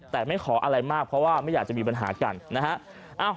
แต่ไม่ขออะไรมากเพราะว่าไม่อยากจะมีปัญหากันนะฮะ